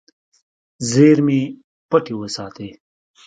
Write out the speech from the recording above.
زیرمې پټې وساتې.